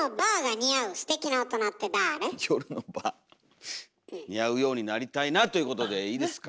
似合うようになりたいなということでいいですか？